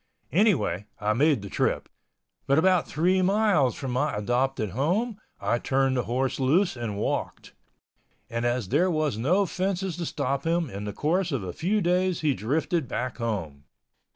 Anyway I made the trip. But about three miles from my adopted home, I turned the horse loose and walked—and as there was no fences to stop him, in the course of a few days he drifted back home.